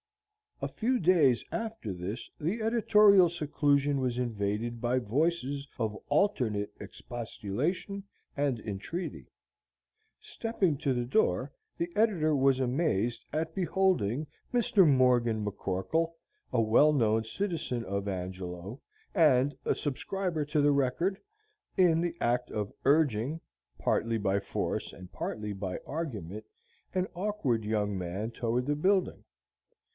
A few days after this the editorial seclusion was invaded by voices of alternate expostulation and entreaty. Stepping to the door, the editor was amazed at beholding Mr. Morgan McCorkle, a well known citizen of Angelo, and a subscriber to the "Record," in the act of urging, partly by force and partly by argument, an awkward young man toward the building.